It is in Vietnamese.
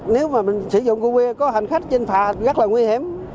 nếu mà mình sử dụng bụi bia có hành khách trên phà rất là nguy hiểm